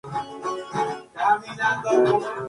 Se encuentra en el lago Kivu.